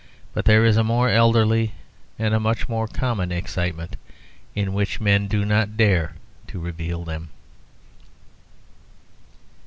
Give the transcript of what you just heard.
But there is a more elderly and a much more common excitement in which men do not dare to reveal them.